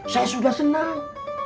saya sudah senang